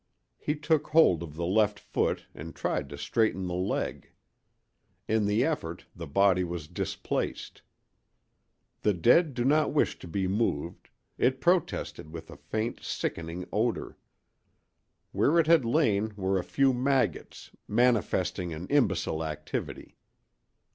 He took hold of the left foot and tried to straighten the leg. In the effort the body was displaced. The dead do not wish to be moved—it protested with a faint, sickening odor. Where it had lain were a few maggots, manifesting an imbecile activity.